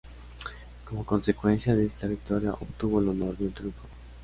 Como consecuencia de esta victoria, obtuvo el honor de un triunfo.